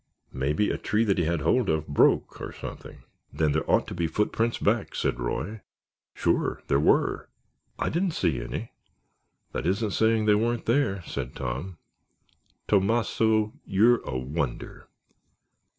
Maybe a tree that he had hold of broke—or something." "Then there ought to be footprints back," said Roy. "Sure—there were." "I didn't see any." "That isn't saying they weren't there," said Tom. "Tomasso, you're a wonder."